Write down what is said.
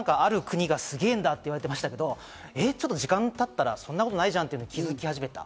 最初はある国がすげぇなと言われてましたけど、時間が経ったら、そんなことないじゃんって気づき始めた。